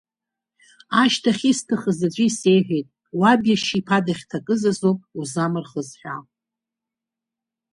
Ашьҭахь исҭахыз аӡәы исеиҳәеит, уаб иашьа иԥа дахьҭакыз азоуп узамырхыз ҳәа.